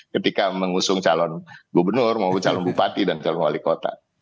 ketika mengusung calon gubernur maupun calon bupati dan calon wali kota